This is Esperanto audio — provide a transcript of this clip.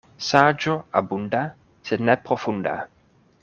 Saĝo abunda, sed ne profunda.